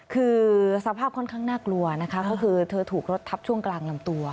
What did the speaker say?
คือสภาพค่อนข้างน่ากลัวนะคะก็คือเธอถูกรถทับช่วงกลางลำตัว